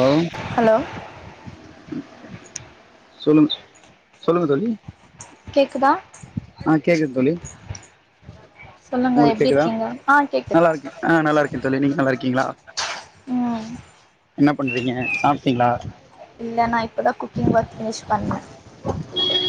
ஆம் ஹலோ சொல்லுங்க சொல்லுங்க தோழி கேக்குதா ஆ கேக்குது தோழி சொல்லுங்க உங்களுக்கு எப்டி கேக்குதா இருக்கீங்க ஆ கேக்குது நல்லா இருக்கே ஆ நல்லா இருக்கே தோழி நீங்க நல்லா இருக்கீங்களா ம் என்ன பண்றீங்க சாப்டீங்களா இல்ல நா இப்பதா குக்கிங் ஒர்க் பினிஷ் பண்ணே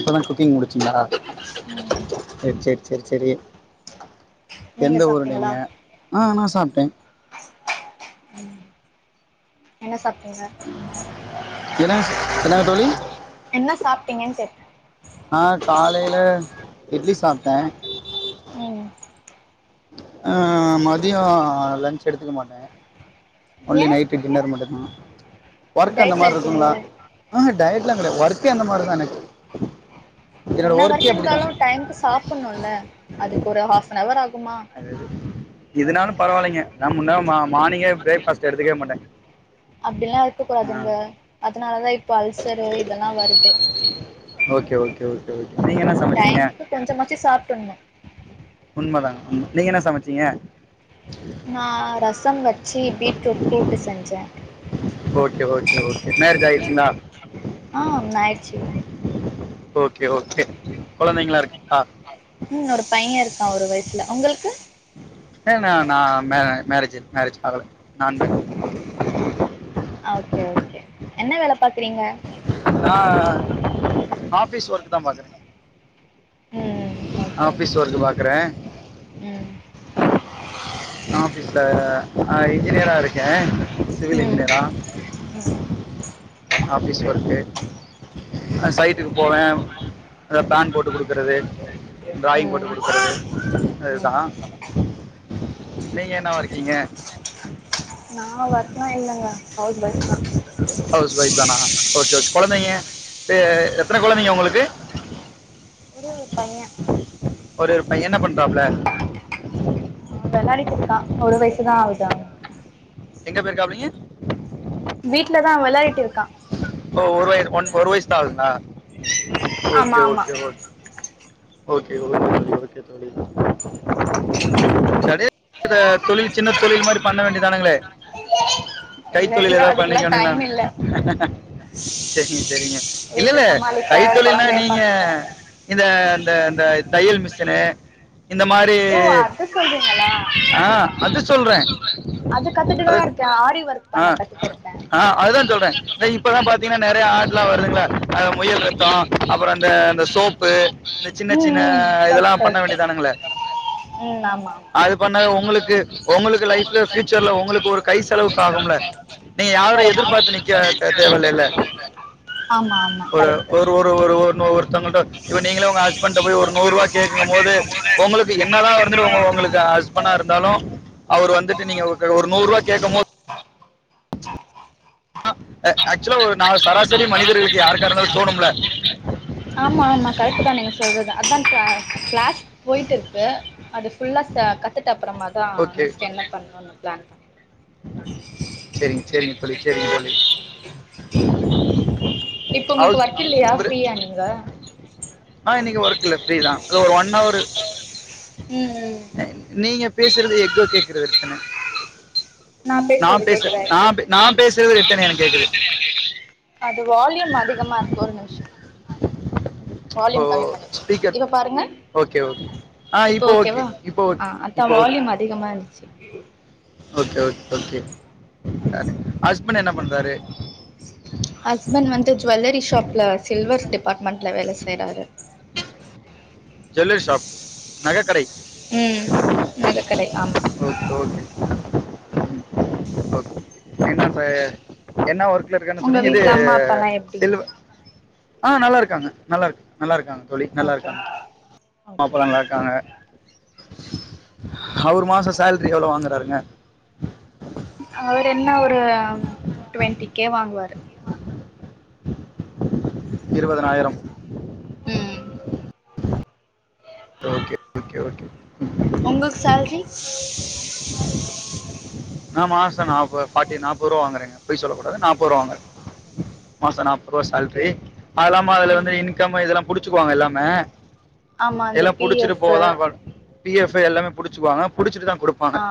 இப்ப தா குக்கிங் முடிச்சீங்களா உம் செரி செரி செரி செரி நீங்க எந்த ஊரு நீங்க சாப்ட்டீங்களா ஆ நா சாப்ட்டே என்ன சாப்டீங்க என்ன என்னா தோழி என்ன சாப்ட்டீங்கன்னு கேட்டே ஆ காலையில இட்லி சாப்ட்டே உம் ஆ மதியோ லன்ச் எடுத்துக்க மாட்டே ஒன்லி ஏ நைட் டின்னர் மட்டுந்தா ஒர்க் அந்த டயட்ல மாரி இருக்குங்களா இருக்கீங்களோ ஆஹூ டயட்ல்லா கெடையாது ஒர்க்கே அந்த மாரிதானே என்ன ஒர்க் இருந்தாலு டைம்க்கு சாப்பட்ணுல்ல அதுக்கு ஒரு ஹாஃப்அ னவர் ஆகுமா இதனாலு பரவாயில்லைங்க நா முன்னா மானிங்கே பிரேக்பாஸ்ட் எடுத்துக்கவே மாட்ட அப்டில்லா இருக்க கூடாதுங்க அதனாலதா இப்ப அல்சரு இதெல்லா வருது ஓகே ஓகே ஓகே ஒகே நீங்க என்ன டைம்க்கு கொஞ்ச கொஞ்ச சாப்பன்னோ உண்மதாங்க உண் நீங்க என்ன சமைச்சீங்க நா ரசம் வச்சு பீட்ரூட் கூட்டு செஞ்சே ஓகே ஓகே ஓகே மேரேஜ் ஆயிடுச்சுங்களா ஆ ஒன்னாய்ச்சி ஓகே ஓகே கொழந்தைங்களா இருக்கா உம் ஒரு பைய இருக்கா ஒரு வயசுல உங்களுக்கு ஏ ந நா மே மேரேஜ் மேரேஜ் ஆகல நான் ஓகே ஓகே என்ன வேல பாக்குறீங்க ஆ ஆபீஸ் ஒர்க் தா பாக்குற ம் ஓகே ஆபீஸ் ஓகே ஒர்க் பாக்குற ம் ஆபீஸ்ல ஆ இன்ஜினியரா இருக்கே உம் ஆபீஸ் ஒர்க்கு சைட்டுக்கு போவே அ பேன் போட்டு குடுக்கறது ட்ராயிங் ம் போட்டு குடுக்கறது தா ம் நீங்க என்னவா இருக்கீங்க நா ஒர்க்கல்லா இல்லங்க அவுஸ் வைஃப் தா ஹவுஸ் ஒய்ப் தானா ஓகே ஒகே கொழந்தைங்க எத்தன கொழந்தைங்க உங்களுக்கு ஒரே ஒரு பைய ஒரு பைய என்ன பண்றாப்பல ஆ வெள்ளாடிட்டு இருக்கா ஒரு வயசுதா ஆகுது அவனுக்கு எங்க போய்ருக்காப்படிங்க வீட்டுலதா வெள்ளாடிட்டு இருக்கா ஓ ஒரு வயது ஒரு வைசு தா ஆகுதா ஆமா ஓகே ஆமா okay okay okay okay okay தோழி கடையதுல தொழில் சின்ன தொழில் மாரி பண்ண வேண்டியதானுங்களே [inaudible] கைத்தொழில் ஏதாவது அதுக்கெல்லா பண்ணிக்க டைம் வெண்ணிங்களானு இல்ல செரிங்க செரிங்க வீட்ட இல்லல்ல சமாளிக்க கைத்தொழில்னா கொழந்தைய நீங்க பாத்துக்க இந்த இந்த இந்த தையல் மிசினு ஓ அது சொல்றிங்களா ஆ அது சொல்றேன் அது கத்துட்டுதா இருக் க ஆரி ஒர்க் ஆ பண்ண கத்து கொடுப்பே ஆ அதுதா சொல்றே இப்பதா பாத்தீங்கன்னா நறைய ஆட்லா வருதுங்கள முயல் ரத்தோ அப்பறோ அந்த சோப்பு சின்ன ம் சின்ன ம் கரெக்ட் இதெல்லா பண்ண கரெக்ட் வேண்டியதானுங்கள ம் ஆமா அது பண்ண உங்களுக்கு உங்களுக்கு லைஃப்ல பியூட்டர்ல கை செலவுக்கு ஆகும்ல நீங்க யாரும் எதிர்பார்த்து நிக்க தேவயில்லல ஆமா ஆமா ஒரு கரெக்ட் ஒரு ஒரு ஒரு ஒருத்தவங்கட்ட இப்ப நீங்களே உங்க ஹஸ்பண்ட போய் நூறு ரூபா கேட்கும்போது கேட்கும் போது உங்களுக்கு என்னதா வந்துட்டுங்க என்னதான் உங்களுக்கு ஹூஸ் பண்ட இருந்தாலு அவர் வந்துட்டு நீங்க ஒரு நூறு ரூபா கேட்கும் போது ஆக்சுவலா ஒரு நா ஒரு நாலு சராசரி மனிதர்களுக்கு யாருக்காக இருந்தாலு யாருக்கா தோணும்ல இருந்தாலும் தோணுங்க ஆமா ஆமா கரெக்ட் தா நீங்க சொல்றது அதா கிளாஸ் போயிட்டு இருக்கு அது ஃபுல்லா ச கத்துட்டு அப்புறமா தா ஓகே நெக்ஸ்ட் என்ன பண்ணணும்னு ப்ளான் பண்ணேன் சரிங்க சரிங்க தோழி சரிங்க தோழி இப்ப உங்களுக்கு ஹவுஸ் ஒர்க் இல்லையா இவரு ஃப்ரீயா நீங்க ஆ இன்னைக்கு ஒர்க் இல்ல ஃப்ரீதா ஒரு ஒன் ஹவர் ம் ம் நீங்க பேசுறது எக்கோ கேக்குறது தான நான் நா பேசுறது பேச கேக்குதா நா இப்போ நா பேசுறது நான் ரிட்டன் எனக்கு பேசுறது கேக்குது தெரியாது அது வால்யூம் அதிகமா இருக்கு ஒரு நிமிஷம் ஓ வால்யூம் கம்மி பண்ணிக்கிற ஸ்பீக்கர் இப்ப பாருங்க ஓகே ஓகே ஆ இப்ப இப்போ ஓகே ஓகேவா இப்போ ஆ ஓகே அதா இப்போ ஓகே வால்யூம் அதிகமா இருந்துச்சு ஓகே ஓகே ஹஸ்பண்ட் என்ன பண்றாரு ஹஸ்பண்ட் வந்து ஜுவல்லரி ஷாப்ல சில்வர் டிபார்ட்மெண்ட்ல வேல செய்யறாரு ஜுவல்லரி ஷாப் நகைக்கடை ம் நக கடை ஆமா ஓக் ஓகே [unintelligible] ஓகே என்ன சார் என்ன ஒர்க்குல இருக்கன்னு உங்க சொன்னிங்க இது வீட்ல அம்மா அப்பாலா எப்டி சில்வ ஆ நல்லாருக்காங்க நல்லா நல்லாருக்காங்க தோழி நல்லா ஓகே இருக்காங்க ஓகே ஓகே. பாப்பாலா நல்லாருக் காங்க அவரு மாச சேலரி எவ்ள வாங்கறாருங்க அவர் என்ன ஒரு டுவெண்டி கே வாங்குவாரு இருவதனாயிரம் ம் ஓகே ஓகே ஓகே ம் உங்களுக் சேல்ரி நா மாச நாப்பது ஃபாட்டி நாப்பது ருவா வாங்கறேங்க பொய் சொல்ல கூடாது நாப்பது ருவா வாங்கற மாச நாப்பது ருவா ஓகே சேல்ரி ஓகே அது இல்லாம அதுல வந்து ம் இன்கம் இதெல்லா புடிச்சிக்குவாங்க எல்லாமே ஆமா அந்த எல்லா பி புடிச்சுட்டு எஃப் போகதா ஃப பி எஃப் எல்லாமே புடிச்சுக்வாங்க புடிச்சிட்டுதா குடுப் ஆ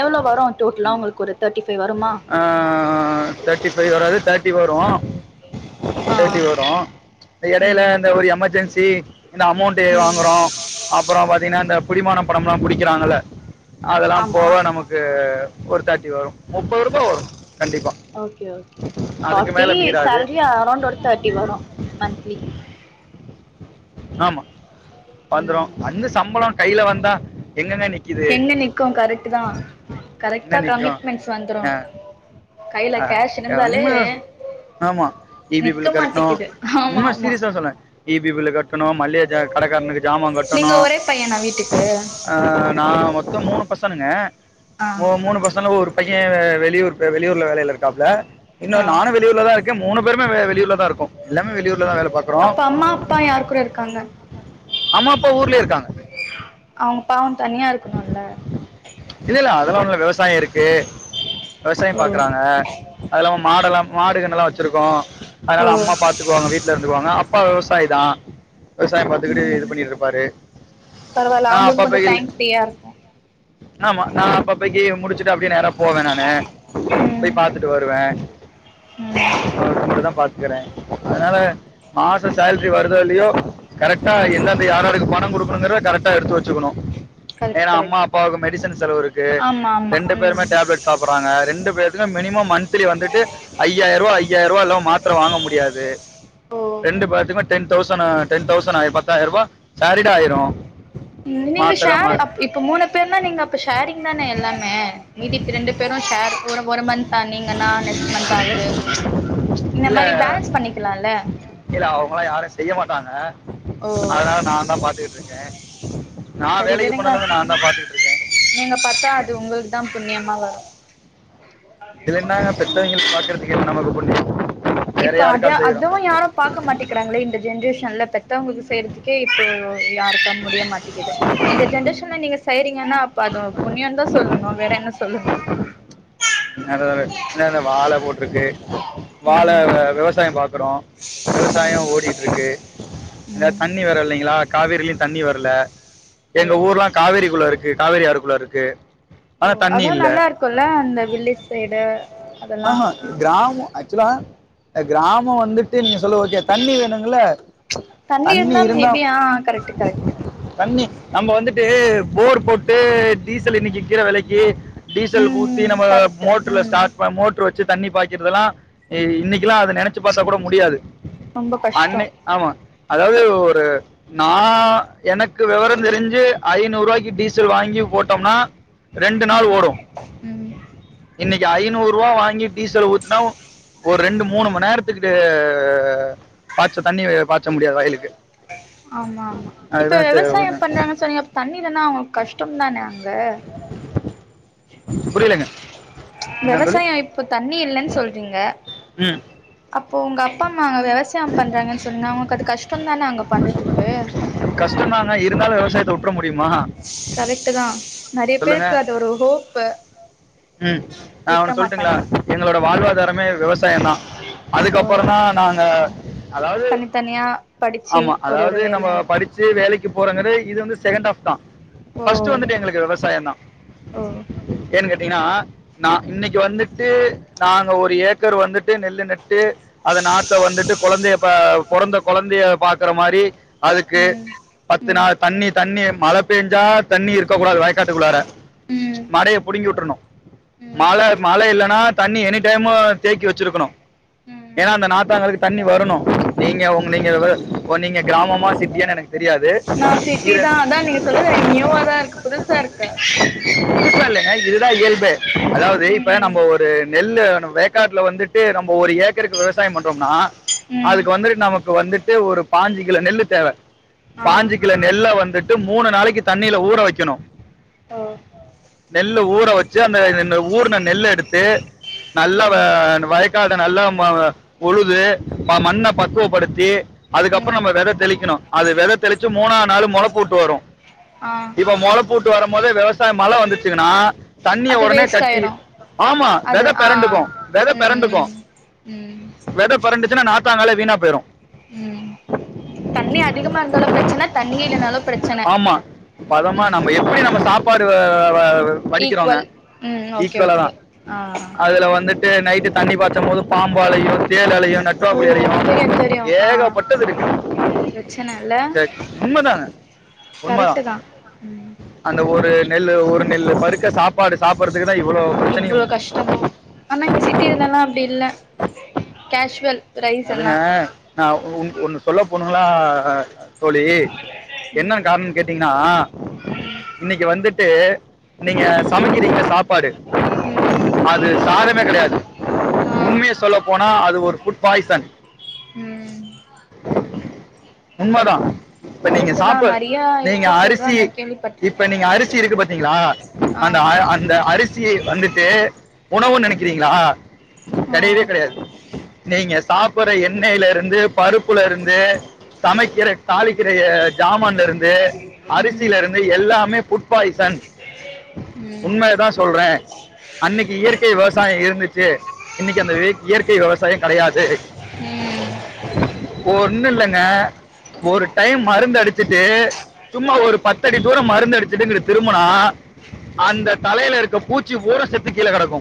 எவ்ள வரு டோட்டலா உங்களுக்கு ஒரு தேர்ட்டி ஃபை வருமா ஆ தேர்ட்டி ஃபைவ் வராது தேர்ட்டி வரு ஆ சேத்தி வரு எடைல ம் அந்த ஒரு எமர்ஜென்சி இந்த அமௌண்ட் டு ம் வாங்கறோ அப்பறோ பாத்திங்னா இந்த புடிமான பணம்லா புடிக்கிறாங்கள அதெல்லாம் ஆமா போவ நமக்கு ஒரு தேட்டி வரு முப்பது ருபா வரு கண்டிப்பா okay okay forty salary around ஒரு தேர்ட்டி வரு மன்த்லி ஆமா வந்துரு ம் அந்த சம்பள கைல வந்தா எங்கெங்க நிக்குது எங்க நிக்கு கரெக்ட் தா கரெக்டா கமிட்மெண்ட்ஸ் வந்துரு கையில கேஷ் ஆ இருந்தாலே ஒண்ணு ஆமா இ பி நிக்க பில்லு கட்னு மாட்டிக்குது ஆமா உண்ம ஆமா சீரியஸா சொல்லே இ பி பில்லு கட்டணு மள்ளிக கடக்காரனுக்கு ஜாமா கட்டணு நீங்க ஒரே பையனா வீட்டுக்கு ஆ நா மொத்த மூணு பசனுங்க ஆ மூணு பசனுல ஒரு பைய வெளியூர் வெளியூர்ல வேலையில இருக்காப்புல இன்னு ஆ நானு வெ ளியூர்லதா இருக்க மூணு பேருமே வெ வெளியூர்லதா இருக்கோ எல்லாமே வெளியூர்லதா வேல பாக்கறோ அப்ப அம்மா அப்பா யார் கூட இருக்காங்க அம்மா அப்பா ஊர்லயே இருக்காங்க அவங்க பாவ தனியா இருக்கணுல்ல இல்ல இல்ல அதெல்லா ஒன்னுல விவசாய இருக்கு விவசாயம் ஓ பாக்கறாங்க அது இல்லாம மாடெல்லா மாடு கன்னெல்லா வச்சிருக்கோ ஓ அதனால அம்மா பா த்துக்குவாங்க வீட்ல இருந்துக்குவாங்க அப்பா விவசாயிதா விவசாயம் பாத்துகிட்டு இது ம் பண்ணிட்ருப்பாரு நா அப்பப்ப இல் ஃப்ரியா இருக்கு ஆமா நா அப்பப்ப இங்கயு முடிச்சுட்டு அப்படியே நேரா போவே நானு போய் ம் பாத்துட்டு வருவே ம் தோட்டத்த மட்டுந்தா பாத்துக்கறே அதனால மாச சேலரி வருதோ இலியோ கரெக்டா ம் எந்தெந்த யாராருக்கு பணங் குடுக்கணுங்கறத கரெக்டா எடுத்து வெச்சுக்கணு கரெக்ட் ஏனா அம்மா கரெக்ட் அப்பாவுக்கும் மெடிஷன் செலவு இருக்கு ஆமா ஆமா ரெண்டு ம் பேருமே டேப்லெட் சாப்பர்றாங்க ரெண்டு பேர்த்துக்கு மினிமம் மன்த்லி வந்துட்டு ஐயாயிருவா ஐயாயிருவா இல்லாம மாத்தர வாங்க முடியாது ஓ ரெண்டு பேத்துக்மே டென் தௌசணு டென் தௌசணாயி பத்தாயிருவா சேரிடா ஆயிரு உம் நீங்க ஷேர் அப் இப்போ மூனு பேர்னா நீங்க அப்ப ஷேரிங் தான எல்லாமே மீதிப் ரெண்டு பேரும் ஷேர் ஒரு ஒரு மந்தா நீங்கன்னா நெக்ஸ்ட் மந்த்த் அவுரு இந்த இல்ல மாரி பேலன்ஸ் பண்ணிக்கலாம்ல்ல இல்ல அவங்களாம் யாரும் செய்ய மாட்டாங்க ஓ அதனால நான் இருக்கே சரி விடுங்க நீங்க பாத்தா அது உங்களுக்கு தான் புன்னியமா வரும் இதுல என்னாங்க பெத்தவைங்க பாக்குறதுக்கு நமக்கு எதுக்கு புன்னியம் இப்ப அத அதுவும் யாரும் பாக்க மாட்டிக்கிறாங்களே இந்த ஜென்ரேஷன்ல பெத்தவங்களுக்கு செய்யறதுக் கே இப்போ யாருக்கும் முடிய மாட்டிக்கிது இந்த ஜென்ரேஷன்ல நீங்க செய்யறீங்கன்னா அப்ப அது புன்னியோ தான் சொல்லணும் வேற என்ன சொல்லணும் என்னதோ ஒரு என்ன அந்த வாழ போட்ருக்கு வாழ ம் விவசாயம் பாக்குறோம் ம் விவசாயம் ஓடிட்டு இருக்கு இந்த ம் தண்ணி வர இல்லைங்களா காவேரிலயும் தண்ணி வரல எங்க ஓ ஊர்லாம் காவேரி குள்ள இருக்கு காவேரி ஆறு குள்ள இருக்கு ஓ ஆனா தண்ணி அதான் இல்ல நல்லா இருக்கும்ல்ல அந்த வில்லேஜ் சைடு அதெல்லா ஆஹா கிராமம் ஆக்சுவலா அ கிராமம் வந்துட்டு நீங்க சொல்ல ஓகே தண்ணி வேணுங்கள தண்ணக இருந்தா மேபி ஆ கரெக்ட் கரெக்ட் தண்ணி நம்ம வந்துட்டு போர் போட்டு டீசல் இன்னைக்கு விக்கிற வெலைக்கி டீசல் ம் ஊத்தி ம் நம்ம கரெக்ட் மோட்டர்ல ம் ஸ்டார்ட் மோட்டரு வச்சு தண்ணி பாக்கிறதுதல்லாம் இன்னைக்கெல்லாம் அத நெனைச்சு பாத்தா கூட முடியாது ரொம்ப கஷ்டோ அன்னை ஆமா அதாவ்து ஒரு நா எனக்கு விவரம் தெரிஞ்சு ஐநூரூபாய்க்கு டீசல் வாங்கி போட்டோம்னா ரெண்டு நாள் ம் ஓடும் ம் இன்னைக்கு ஐநூரூவா வாங்கி டீசல் ஊத்துனா ஒரு ரெண்டு மூனு மணி நேரத்துக்கு பாய்ச்ச தண்ணி பாய்ச்ச முடியாது வயிலுக்கு ஆமா ஆமா இப்ப ஒண்ணு. விவசாயம் பண்றாங்க சொன்னிங்க தண்ணி இல்லனா அவுங்களுக்கு கஷ்டம் தான அங்க புரியலங்க என்னன்னு சொல்லி விவசாயம் இப்போ தண்ணி இல்லன்னு சொல்றீங்க ம் அப்போ உங்க அப்பா அம்மா நாங்க விவசாயம் பண்ணுறாங்கன்னு சொன்னா அவுங்களுக்கு அது கஷ்டம் தான அங்க பண்றதுக்கு கஷ்டொ தான்ங்க இருந்தாலும் விவசாயத்த வுட்ற முடியுமா கரெக்ட் தா நெறைய சொல்லுங்க பேருக்கு அது ஒரு ஹோப்பு விட்ற மாட்டாங்க எங்களுடைய வாழ்வாதரமே விவசாயம் தா அதுக்கப்புற ஓ தா நாங்க அதாவ்து தனியா படி ஆமா அதாவ்து நம்ம படிச்சி வேலைக்கு போறங்க இது வந்து செகண்ட் ஹாஃப் தா ஓ ஃபஸ்டு வந்துட்டு எங்களுக்கு விவசாயம் தா ஓ ஏன்னு கேட்டீங்கன்னா நா இன்னைக்கு வந்துட்டு நாங்க ஒரு ஏக் கர் வந்துட்டு நெல்லு நட்டு அத நாத்த வந்துட்டு கொழந்தைய பா பொறந்த கொழந்தைய பாக்குற மாரி அதுக்கு ம் பத்து ம் நாள் தண்ணி தண்ணி மழ பெஞ்சா தண்ணி இருக்கூடாது வயக்காட்டக்குள்ளார ம் மடைய புடுங்கி வுட்ரணு ம் மழ மழ இல்லன்னா தண்ணி எனி டைமு தேக்கி வச்சிருக்கணு ம் ஏன்னா நாத்தாங்களுக்கு தண்ணி வரணு நீங்க உங்கங்க நீங்க கிராமமா சிட்டியானு எனக்கு தெரியாது நா சிட்டி தா இரு அதா நீங்க சொல்றது எனக்கு நியூவாதா இருக்கு புதுசா இருக்கு புதுசா இல்லங்க இதுதா இயல்பு அதாவது இப்ப ம் நம்ம ஒரு இந்த நெல்லு வேக்காட்டுல வந்துட்டு நம்ம ஒரு ஏக்கருக்கு விவசாயம் பண்றோம்னா ம் அதுக்கு வந்துட்டு நமக்கு வந்துட்டு ஒரு பாஞ்சு கிலோ நெல்லு தேவ ஆ பாஞ்சு கிலோ நெல்ல வந்துட் டு மூணு நாளிக்கி தண்ணில ஊற வைக்கணு ஓ நெல்லு ஊற வெச்சு அந்த ஊர்ன நெல்ல எடுத்து நல்ல ம் வய காடு நல்லா உழுது மண்ண பக்குவப்படுத்தி அதுக்கப்றோ ம் நம்ம வெத தெளிக்கணு அது வெத தெளிச்சு மூணாது நாள் மொள போட்டு வரு ஆ போட்டு வரும் போது விவசாயம் மழ வந்துச்சுங்கன்னா தண்ணிய அது ஒடனே வேஸ்ட் தட்டி ஆயிரு ஆமா அது வெத ஆ பெரண்டுக்கு வெத பெரண்டுக்கு ம் ம் ந்துச்சுா நாத்தாங் காலே வீணா போயிடு ம் தண்ணி அதிகமா இருந்தாலு பிரச்சன தண்ணியே இல்லனாலு பிரச்சன ஆமா பதமா ம் நம்ம எப்டி நம்ம சாப்பாடு வடிக்கிறோங்க ஈக்குவல் ம் ஓகே ஈக்குவலா தா ஓகே ஆ ஆ அதுல வந்துட் நைட்டு் தண்ணி பாச்சி போது பாம்பு அழையு தேலு அலையு ஓ நட்டுவாக்குழி அலையு தெரியு தெரியு ஆ ஏகப்பட்டது இருக்கு பிரச்சன இல்ல ஜக் உண்மதா உண்மதா கரெக்ட் தா ம் அந்த ஒரு நெல்லு ஒரு நெல்லு பருக்க சாப்பாடு சாப்பிட்றதுக்கு தா இவ்ளோ பிரச்சனையு [unintelligible] ஆனா இங்க சிட்டில எல்லா அப்டி இல்ல கேஷ்வல் அதுங்க நா உ ஒண்ணு சொல்ல போணுங்களா தோழி என்னனு காரணோனு கேட்டீங்கன்னா ம் இன்னிக்கி வந்துட்டு நீங்க சமைக்கிறீங்க சாப்பாடு ம் அது சாதமே கெடையாது ஆ உண்மைய சொல்ல போனா அது ஒரு ஃபுட் பாய்சன் ம் உண்மதா இப்ப நீங்க கரெக்ட் தா சாப் நெறையா நீங்க இருக்கு அரிசி சொல்றாங்க கேள்விப்பட்ருக்கே இப்ப நீங்க அரிசி இருக்கு பாத்தீங்களா ஆ அந்த அந் அந்த அரிசியை வந்துட்டு உணவு நெனைக்கிறீங்களா ஆ கெடையவே கெடையாது நீங்க சாப்பிட்ற எண்ணெயில இருந்து பருப்புல இருந்து சமைக்கிற தாளிக்கிற ஜாமான் இருந்து ம் அரிசியில இருந்து எல்லாமே ஃபுட் பாய்சன் ம் உண்மைய தா சொல்றே அன்னிக்கி இயற்கை விவசாயோ இருந்துச்சு இன்னிக்கி அந்த இயற்கை விவசாய கெடையாது ம் ஒன்னு இல்லங்க ஒரு டைம் மருந்து அடிச்சிட்டு சும்மா ஒரு பத்தடி தூர மருந்து அடிச்சுட்டு இங்கிட்டு திரும்புனா அந்த தலையில இருக்க பூச்சி பூரா செத்து கீழ கெடக்கு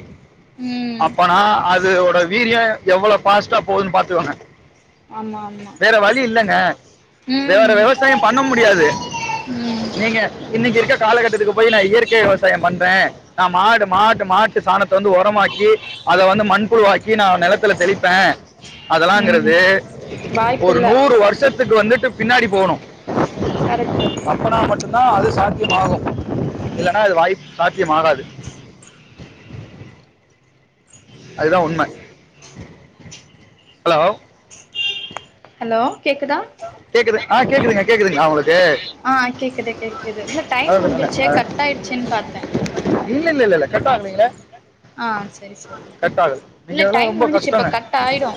ம் அப்பனா அது ஓட வீரியோ எவ்ளோ ஃபாஸ்ட்டா போகுதுன்னு பாத்துக்கோங்க ஆமா ஆமா வேற வழி இல்லங்க வேற ம் விவசாயம் பண்ண முடியாது ம் நீங்க இன்னைக்கு இருக்க காலகட்டத்துக்கு போய் நா இயற்கை விவசாய பண்றே மாடு மாட்டு மாட்டு சாணத்த வந்து உரமாக்கி அத வந்து மண்புழுவாக்கி நா நிலத்த இல்ல செழிப்பே ம் அதுலான்றது ஒரு வாய்ப்பில்ல நூறு வருஷத்து க்கு வந்துட்டு பின்னாடி போகணு கரெக்ட் அப்பனா மட்டுதா அது சாத்தியமாகு இல்லன்னா அது வாய்பு சாத்தியமாகாது அதுதா உண்ம ஹலோ ஹலோ கேக்குதா கேக்குது ஆ கேக்குதுங்க கேக்குதுங்களா உங்களுக்கு ஆ கேக்குது கேக்குது இல்ல டைம் அதான் சொன்னேன்ல. முடிஞ்சிருச்சே ஆ, கட் ஆயிடுச்சுன்னு பாத்தே இல்ல இல்ல இல்ல இல்ல கட்டா ஆகலீங்களா ஆ சரி சரி நீங்க இல்ல அதெல்லாம் டைம் ரொம்ப முடிஞ்சிருச்சு இப்போ கஷ்டங்க கட் ஆயிடு